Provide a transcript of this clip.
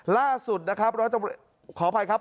ล่าสุดนะครับขออภัยครับ